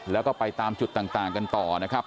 แล้วก็ไปตามจุดต่างกันต่อนะครับ